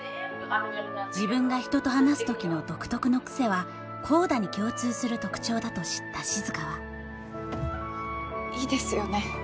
自分が人と話す時の独特の癖はＣＯＤＡに共通する特徴だと知った静はいいですよね